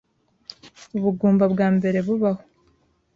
ubugumba bwa mbere bubaho